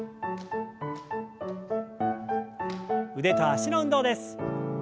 腕と脚の運動です。